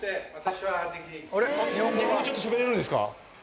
日本語ちょっとしゃべれるんですか？